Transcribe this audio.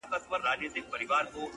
• څه دولت به هم ترلاسه په ریشتیا کړې ,